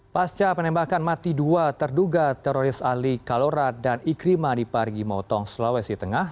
pasca penembakan mati dua terduga teroris ali kalora dan ikrima di parigi motong sulawesi tengah